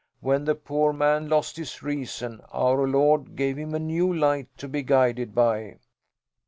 When the poor man lost his reason Our Lord gave him a new light to be guided by."